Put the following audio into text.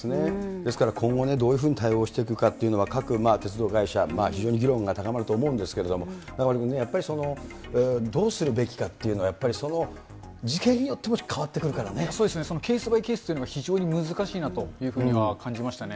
ですから今後、どういうふうに対応していくかっていうのは、各鉄道会社、非常に議論が高まると思うんですけれども、中丸君ね、やっぱりどうするべきかというのをやっぱりその事件によっても変そうですね、ケースバイケースというのが非常に難しいなというふうには感じましたね。